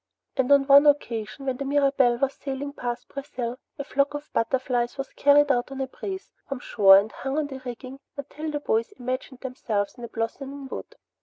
And on one occasion when the Mirabelle was sailing past Brazil, a flock of butterflies was carried out on a breeze from shore and hung on the rigging until the boys imagined themselves in a blossoming wood.